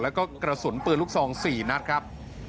แล้วก็กระสุนปืนลูกซอง๔นัดครับ